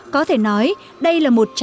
có thể nói đây là một trang truyền hóa